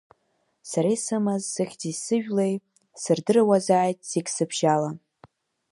Сара исымаз сыхьӡи сыжәлеи, сырдыруазааит зегь сыбжьала.